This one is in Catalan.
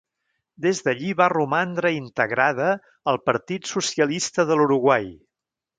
Des d'allí va romandre integrada al Partit Socialista de l'Uruguai.